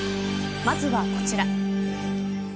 まずはこちら。